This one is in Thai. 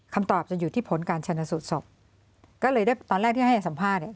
คำตอบจะอยู่ที่ผลการชนสูตรศพก็เลยได้ตอนแรกที่ให้สัมภาษณ์เนี่ย